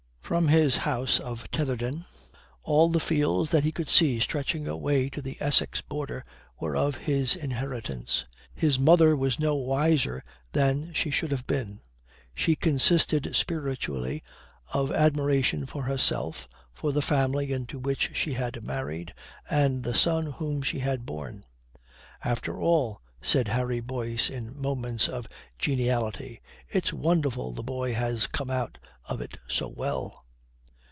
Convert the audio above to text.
From his house of Tetherdown all the fields that he could see stretching away to the Essex border were of his inheritance. His mother was no wiser than she should have been. She consisted spiritually of admiration for herself, for the family into which she had married, and the son whom she had borne. "After all," said Harry Boyce in moments of geniality, "it's wonderful the boy has come out of it so well."